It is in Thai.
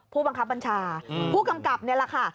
ผู้บังคับบัญชาผู้กำกับนี่แหละค่ะ